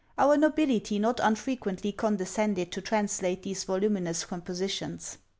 Our nobility not unfrequently condescended to translate these voluminous compositions.